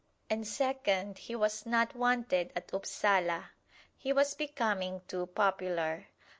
And second, he was not wanted at Upsala. He was becoming too popular.